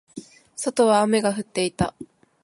外は雨が降っていた。